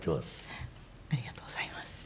ありがとうございます。